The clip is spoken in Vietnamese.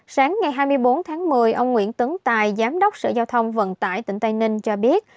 sáng ngày hai mươi bốn tháng một mươi ông nguyễn tấn tài giám đốc sở giao thông vận tải tỉnh tây ninh cho biết